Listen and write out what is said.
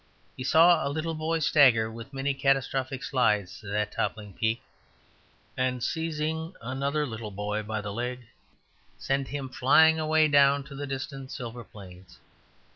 He saw a little boy stagger, with many catastrophic slides, to that toppling peak; and seizing another little boy by the leg, send him flying away down to the distant silver plains.